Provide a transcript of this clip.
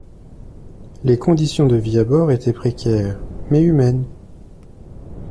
les conditions de vie à bord étaient précaires, mais humaines.